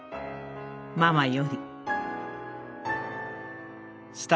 ママより」。